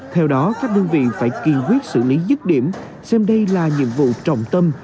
theo đó các đơn vị phải kiên quyết xử lý dứt điểm xem đây là nhiệm vụ trọng tâm